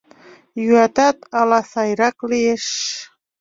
Йӱатат, ала сайрак лиеш.